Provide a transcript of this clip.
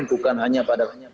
bukan hanya pada